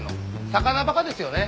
魚バカですよね。